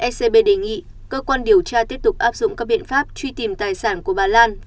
scb đề nghị cơ quan điều tra tiếp tục áp dụng các biện pháp truy tìm tài sản của bà lan